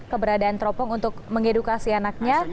tempung untuk mengedukasi anaknya